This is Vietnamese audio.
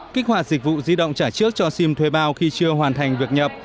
kích hoạt dịch vụ di động trả trước cho sim thuê bao khi chưa hoàn thành việc nhập